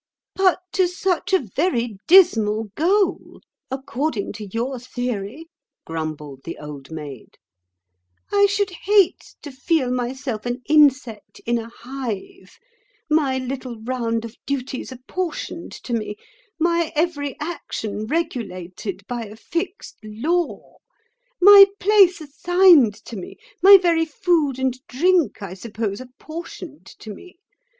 "But to such a very dismal goal, according to your theory," grumbled the Old Maid. "I should hate to feel myself an insect in a hive, my little round of duties apportioned to me, my every action regulated by a fixed law, my place assigned to me, my very food and drink, I suppose, apportioned to me.